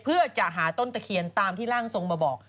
เพื่อจะหาต้นตะเคียนตามที่ร่างทรงมาบอก